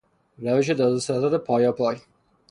روش دادوستد پایاپای